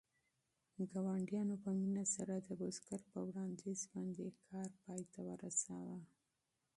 ګاونډیانو په مینه سره د بزګر په وړاندیز باندې کار پای ته ورساوه.